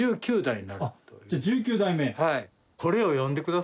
じゃあ１９代目？